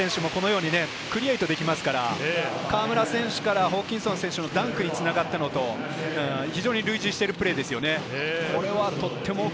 西田選手もこのようにクリエイトできますから、河村選手からホーキンソン選手のダンクにつながったのと、非常に類似しているプレーですよね。